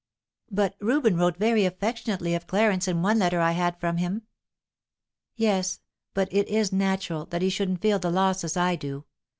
"But Reuben wrote very affectionately of Clarence in one letter I had from him." "Yes, but it is natural that he shouldn't feel the loss as I do.